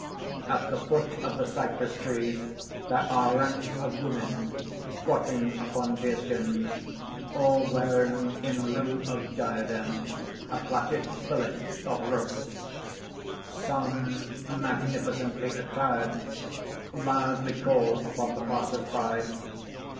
_ _At the foot of the cypress trees there are ranks of women squatting upon deerskins, all wearing in lieu of diadem, a plaited fillet of ropes. Some, magnificently attired, loudly call upon the passers by.